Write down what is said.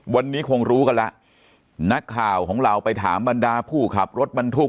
วันนี้คงรู้กันแล้วนักข่าวของเราไปถามบรรดาผู้ขับรถบรรทุก